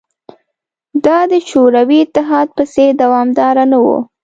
دا د شوروي اتحاد په څېر دوامداره نه وه